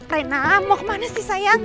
rena mau kemana sih sayang